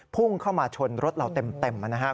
พุ่งเข้ามาชนรถเราเต็มนะครับ